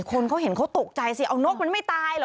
คนเขาเห็นเขาตกใจสิเอานกมันไม่ตายเหรอ